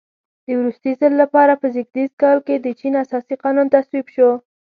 د وروستي ځل لپاره په زېږدیز کال کې د چین اساسي قانون تصویب شو.